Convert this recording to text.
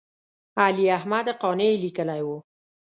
علي احمد قانع یې لیکلی و.